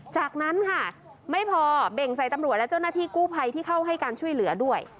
จากนั้นค่ะไม่พอเบ่งใส่ตำรวจและเจ้าหน้าที่กู้ภัยที่เข้าให้การช่วยเหลือด้วย